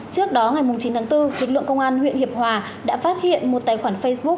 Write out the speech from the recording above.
trước đó ngày chín tháng bốn lực lượng công an huyện hiệp hòa đã phát hiện một tài khoản facebook